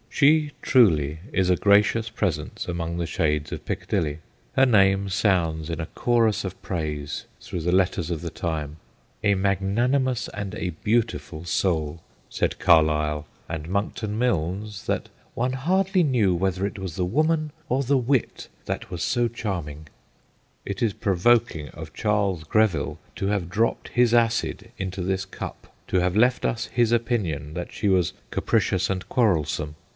She, truly, is a gracious presence among the shades of Piccadilly. Her name sounds in a chorus of praise through the letters of the time. ' A magnanimous and a beautiful soul/ said Carlyle ; andMonckton Milnes, that ' one hardly knew whether it was the woman or the wit that was so charming/ It is provoking of Charles Greville to have dropped his acid into this cup, to have left us his opinion that she was capricious and quarrelsome.